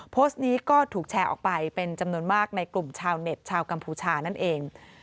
โพสต์นี้ก็ถูกแชร์ออกไปเป็นจำนวนมากในกลุ่มชาวเน็ตชาวกัมพูชานั่นเอง